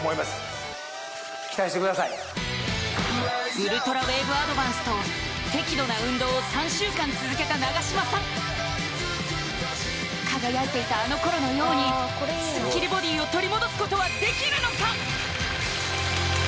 ウルトラウェーブアドバンスと適度な運動を３週間続けた永島さん輝いていたあの頃のようにスッキリボディを取り戻すことはできるのか？